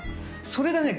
それがね